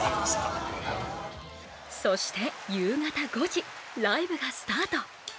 そして夕方５時、ライブがスタート。